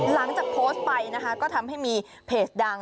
หลังจากโพสต์ไปนะคะก็ทำให้มีเพจดัง